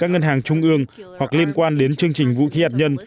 các ngân hàng trung ương có thể đặt liên quan đến chương trình vũ khí hạt nhân